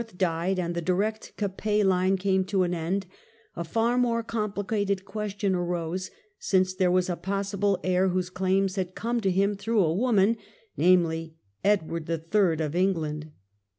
died and the direct Capet line IV 132*^ ■ 1328 " came to an end, a far more complicated question arose, since there was a possible heir whose claims had come to him through a woman, namely Edward III. of Eng land.